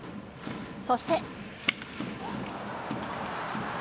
そして。